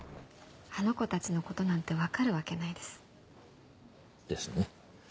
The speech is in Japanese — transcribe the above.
あの子たちのことなんて分かるわけないです。ですね。